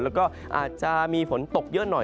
แล้วก็อาจจะมีฝนตกเยอะหน่อย